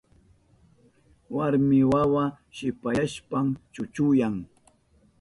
Warmi wawa shipasyashpan chuchuyan.